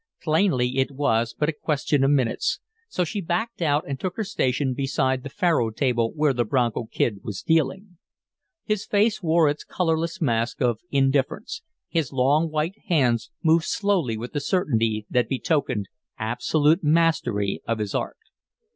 Plainly it was but a question of minutes, so she backed out and took her station beside the faro table where the Bronco Kid was dealing. His face wore its colorless mask of indifference; his long white hands moved slowly with the certainty that betokened absolute mastery of his art.